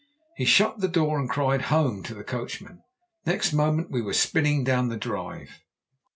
He shut the door and cried 'Home' to the coachman. Next moment we were spinning down the drive.